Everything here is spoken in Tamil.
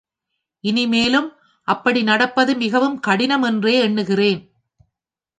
இனிமேலும் அப்படி நடப்பது மிகவும் கடினம் என்றே எண்ணுகிறேன்.